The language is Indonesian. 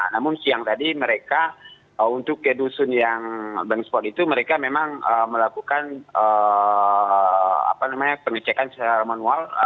namun siang tadi mereka untuk ke dusun yang bank spot itu mereka memang melakukan pengecekan secara manual